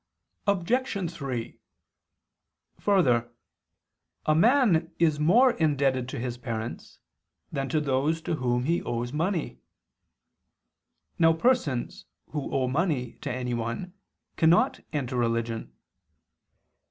Obj. 3: Further, a man is more indebted to his parents than to those to whom he owes money. Now persons who owe money to anyone cannot enter religion.